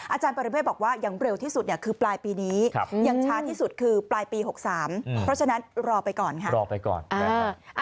อาจารย์ปรเมฆบอกว่าอย่างเร็วที่สุดเนี่ยคือปลายปีนี้อย่างช้าที่สุดคือปลายปี๖๓เพราะฉะนั้นรอไปก่อนค่ะรอไปก่อนนะครับ